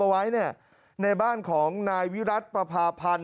ไว้ในบ้านของนายวิรัติประพาพันธ์